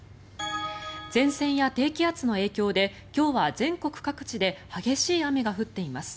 前線や低気圧の影響で今日は全国各地で激しい雨が降っています。